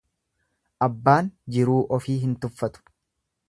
Abbaan jiruu ofii hin tuffatu.